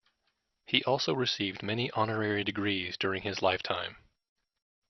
He also received many honorary degrees during his lifetime.